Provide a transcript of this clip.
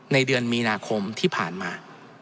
ในเดือนมีนาคมที่ผ่านมา